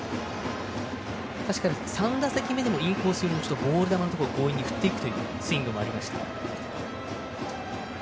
３打席目のインコースのボール球を強引に振っていくというスイングもありました。